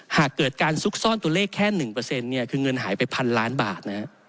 หากเกิดการซุกซ่อนตัวเลขแค่๑คือเงินหายไป๑๐๐ล้านบาทนะฮะ